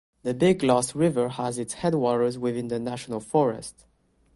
The Big Lost River has its headwaters within the national forest.